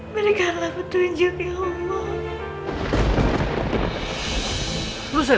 berikanlah petunjuk ya allah